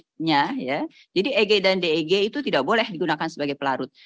pelarutnya jadi eg dan deg itu tidak boleh digunakan sebagai pelarut